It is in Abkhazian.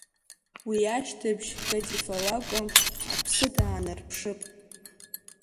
Уи ашьҭыбжь Кадифа лакәым аԥсы даанарԥшып.